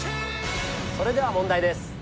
それでは問題です。